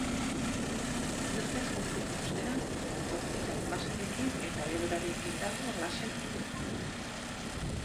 Energia zinetikoa, ostera, gorputzaren masarekin eta abiadurarekin dago erlazionatuta.